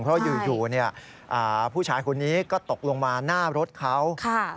เพราะอยู่ผู้ชายคนนี้ก็ตกลงมาหน้ารถเขา